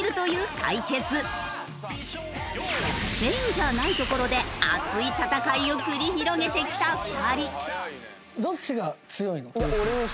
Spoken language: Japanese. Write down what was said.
メインじゃないところで熱い戦いを繰り広げてきた２人。